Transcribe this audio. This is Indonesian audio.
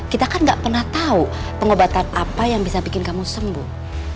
kita kan gak pernah tahu pengobatan apa yang bisa bikin kamu sembuh